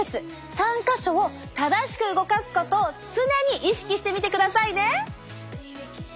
３か所を正しく動かすことを常に意識してみてくださいね！